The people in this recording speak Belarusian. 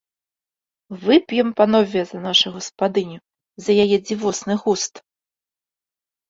Вып'ем, панове, за нашу гаспадыню, за яе дзівосны густ!